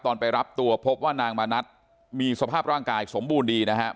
ไปรับตัวพบว่านางมณัฐมีสภาพร่างกายสมบูรณ์ดีนะครับ